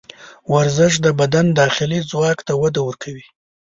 ورزش د بدن داخلي ځواک ته وده ورکوي.